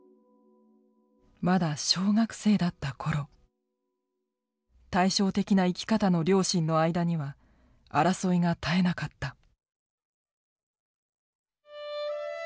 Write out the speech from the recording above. まだ小学生だった頃対照的な生き方の両親の間には争いが絶えなかった。